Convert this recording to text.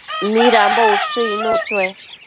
¿Midambo ushëc icnuc chue?